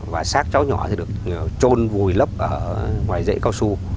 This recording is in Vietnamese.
và xác cháu nhỏ thì được trôn vùi lấp ở ngoài dãy cao su